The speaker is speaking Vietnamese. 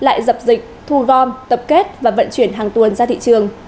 lại dập dịch thu gom tập kết và vận chuyển hàng tuần ra thị trường